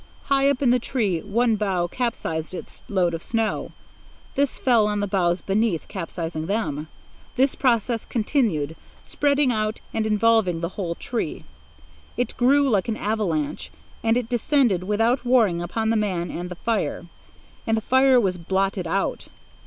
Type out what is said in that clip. High up in the tree one bough capsized its load of snow. This fell on the boughs beneath, capsizing them. This process continued, spreading out and involving the whole tree. It grew like an avalanche, and it descended without warning upon the man and the fire, and the fire was blotted out!